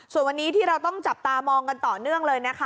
ส่วนวันนี้ที่เราต้องจับตามองกันต่อเนื่องเลยนะคะ